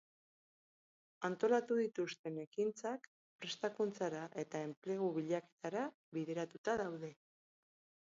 Antolatu dituzten ekintzak prestakuntzara eta enplegu-bilaketara bideratuta daude.